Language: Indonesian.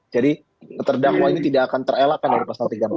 jadi terdakwa ini tidak akan terelakkan dari pasal tiga ratus empat puluh